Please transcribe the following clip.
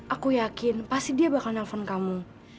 aku yakin pasti dia bakal nelfon kamu